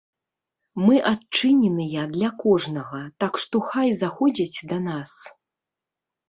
Мы адчыненыя для кожнага, так што хай заходзяць да нас.